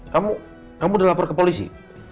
kamu kamu udah lapor ke polisi